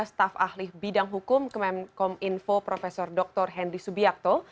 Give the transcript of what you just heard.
staf ahli bidang hukum kemenkom info prof dr henry subiakto